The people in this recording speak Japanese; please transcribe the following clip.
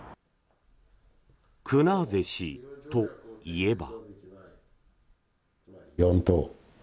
クナーゼ氏といえば。